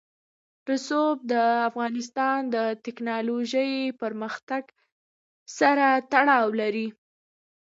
رسوب د افغانستان د تکنالوژۍ پرمختګ سره تړاو لري.